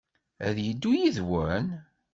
Ad yeddu yid-wen?